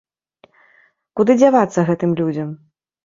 Куды дзявацца гэтым людзям?